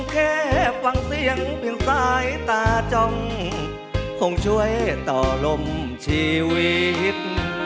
แค่ฟังเสียงเพียงสายตาจ้องคงช่วยต่อลมชีวิต